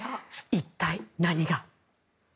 一体何が。